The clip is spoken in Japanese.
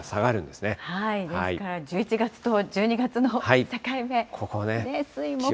ですから１１月と１２月の境目、水、木。